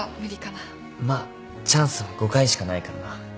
まあチャンスは５回しかないからな。